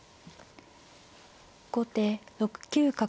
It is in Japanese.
後手６九角。